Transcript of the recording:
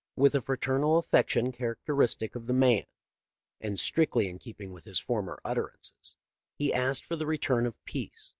With a fraternal affection characteristic of the man, and strictly in keeping with his "former utterances, he asked for the return of peace.